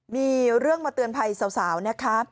มีเรื่องมาเตือนภัยสาวนะคะ